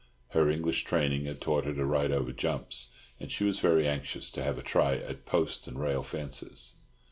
Her English training had taught her to ride over jumps, and she was very anxious to have a try at post and rail fences.